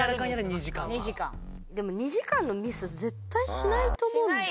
でも２時間のミス絶対しないと思うんだよな。